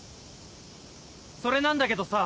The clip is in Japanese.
それなんだけどさ